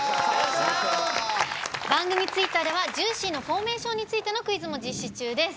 番組ツイッターでは「ＪＵＩＣＹ」のフォーメーションについてのクイズも実施中です。